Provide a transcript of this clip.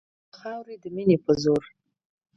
او د خاورې د مینې په زور